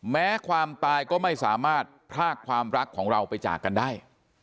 แม้ความตายก็ไม่สามารถพรากความรักของเราไปจากกันได้